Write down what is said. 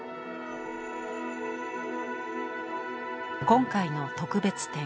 今回の特別展